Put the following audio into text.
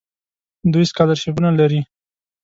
دوی سکالرشیپونه لري.